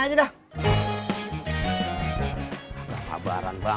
buah buah lu ada